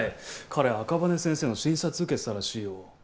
彼赤羽先生の診察受けてたらしいよ。